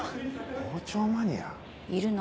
傍聴マニア？いるの。